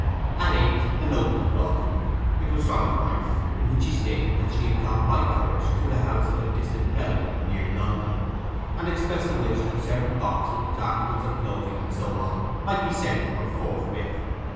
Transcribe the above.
At eight a note was brought him; it was from his wife, in which she stated that she had gone by the coach to the house of a distant relative near London, and expressed a wish that certain boxes, articles of clothing, and so on, might be sent to her forthwith.